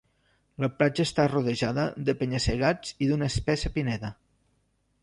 La platja està rodejada de penya-segats i d’una espessa pineda.